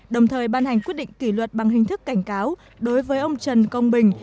đồng thời ban hành quyết định kỷ luật bằng hình thức cảnh cáo đối với ông trần công bình